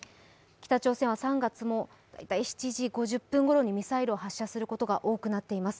北朝鮮は３月も７時５０分ごろにミサイルを発射することが多くなっています。